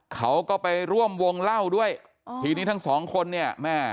เขาก็ไปร่วมวงเล่าด้วยทีนี้ทั้งสองคนเนี่ยแม่